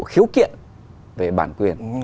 khíu kiện về bản quyền